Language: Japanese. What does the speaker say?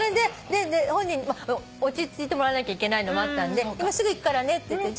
本人に落ち着いてもらわなきゃいけないのもあったんで今すぐ行くからねって言って。